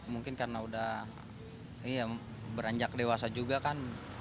dua ribu delapan mungkin karena udah beranjak dewasa juga kan